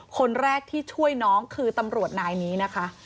คนแรกที่ช่วยน้องคือตำรวจนายนี้นะคะ